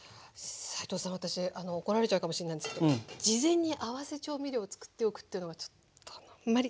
斉藤さん私怒られちゃうかもしれないんですけど事前に合わせ調味料を作っておくっていうのがちょっとあんまり。